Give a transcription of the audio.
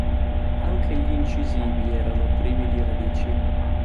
Anche gli incisivi erano privi di radici.